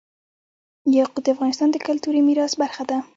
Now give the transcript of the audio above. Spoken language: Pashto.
یاقوت د افغانستان د کلتوري میراث برخه ده.